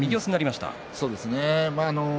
そうですね